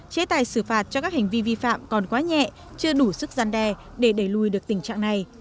chế tài xử phạt cho các hành vi vi phạm còn quá nhẹ chưa đủ sức gian đe để đẩy lùi được tình trạng này